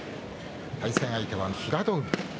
対戦相手は平戸海。